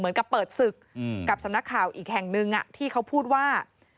เหมือนกับเปิดศึกกับสำนักข่าวอีกแห่งนึงที่เขาพูดว่า